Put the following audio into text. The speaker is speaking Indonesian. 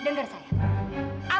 bu denger saya paung